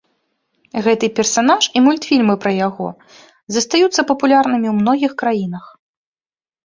Гэты персанаж і мультфільмы пра яго застаюцца папулярнымі ў многіх краінах.